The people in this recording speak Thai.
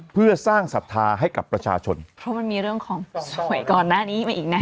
เพื่อสร้างศรัทธาให้กับประชาชนเพราะมันมีเรื่องของก่อนหน้านี้มาอีกนะ